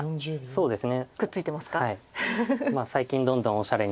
そうですね。